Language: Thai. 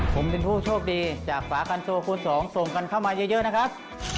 ผมเป็นผู้โชคดีจากฝากันตัวคูณสองส่งกันเข้ามาเยอะนะครับ